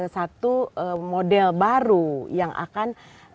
satu model baru yang akan